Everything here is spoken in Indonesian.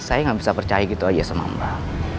saya nggak bisa percaya gitu aja sama mbak